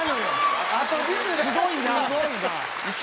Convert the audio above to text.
すごいな。